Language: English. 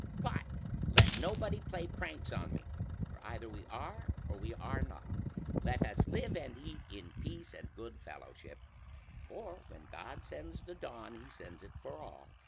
But let nobody play pranks on me, for either we are or we are not; let us live and eat in peace and good fellowship; for when God sends the dawn, he sends it for all.